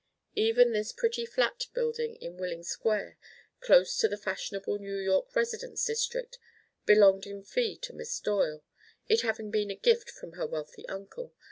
Even this pretty flat building in Willing Square, close to the fashionable New York residence district, belonged in fee to Miss Doyle, it having been a gift from her wealthy uncle.